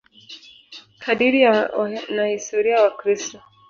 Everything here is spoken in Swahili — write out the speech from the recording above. Kadiri ya wanahistoria Wakristo.